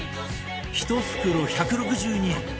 １袋１６２円！